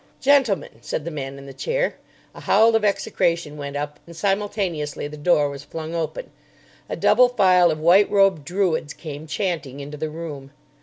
"Gentlemen," said the man in the chair. A howl of execration went up, and simultaneously the door was flung open. A double file of white robed Druids came, chanting, into the room.